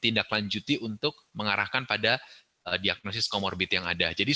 tindak lanjuti untuk mengarahkan pada diagnosis comorbid yang ada jadi